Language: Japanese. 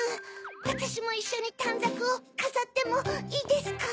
わたしもいっしょにたんざくをかざってもいいですか？